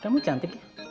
kamu cantik ya